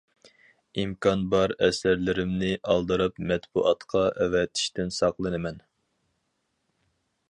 ئىمكان بار ئەسەرلىرىمنى ئالدىراپ مەتبۇئاتقا ئەۋەتىشتىن ساقلىنىمەن.